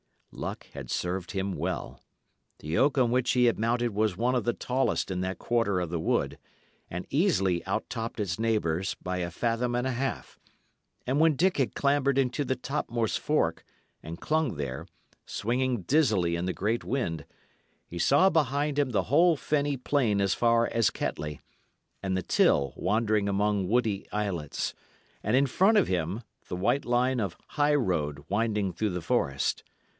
Luck had served him well. The oak on which he had mounted was one of the tallest in that quarter of the wood, and easily out topped its neighbours by a fathom and a half; and when Dick had clambered into the topmost fork and clung there, swinging dizzily in the great wind, he saw behind him the whole fenny plain as far as Kettley, and the Till wandering among woody islets, and in front of him, the white line of high road winding through the forest.